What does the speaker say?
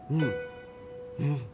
うん。